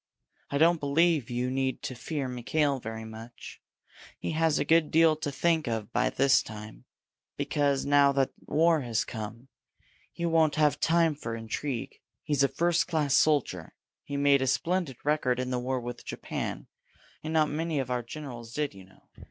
I don't believe you need to fear Mikail very much. He has a good deal to think of by this time, because, now that the war has come, he won't have time for intrigue. He's a first class soldier. He made a splendid record in the war with Japan and not many of our generals did, you know.